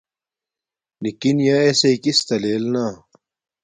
نِکِن یݳ اݵسیئ کِستݳ لݵل نݳ.